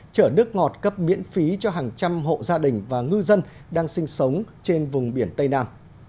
chở nước ngọt cấp miễn phí cho hàng trăm hộ gia đình và ngư dân đang sinh sống trên vùng biển tây nam